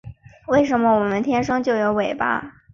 为什么我们天生就有尾巴